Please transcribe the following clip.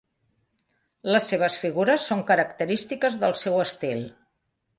Les seves figures són característiques del seu estil.